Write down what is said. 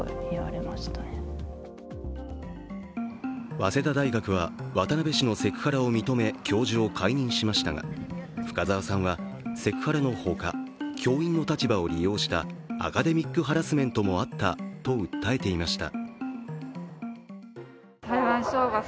早稲田大学は渡部氏のセクハラを認め教授を解任しましたが深沢さんはセクハラのほか教員の立場を利用したアカデミックハラスメントもあったと訴えていました。